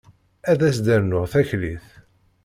Ad as-d-rnuɣ taklit.